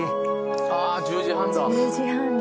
ああ１０時半だ。